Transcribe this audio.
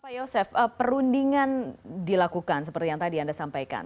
pak yosef perundingan dilakukan seperti yang tadi anda sampaikan